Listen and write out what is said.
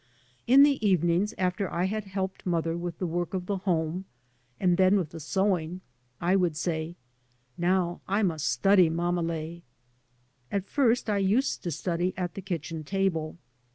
In the evenings after I had helped mother with the work of the home, and then with the sewing, I would say, " Now I must study, mammele." At first I used to study at the kitchen table.